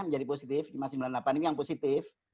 menjadi positif lima ratus sembilan puluh delapan ini yang positif